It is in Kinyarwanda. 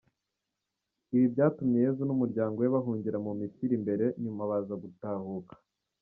Ibi byatumye Yezu n’umuryango we bahungira mu Misiri mbere nyuma baza gutahuka.